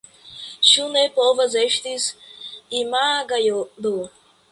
Ĉu ne povas esti imagaĵo do!